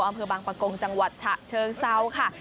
อำเภอบางประกงจังหวัดฉะเชิงเซาค่ะ